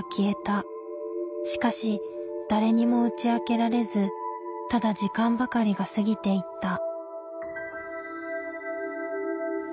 しかし誰にも打ち明けられずただ時間ばかりが過ぎていった。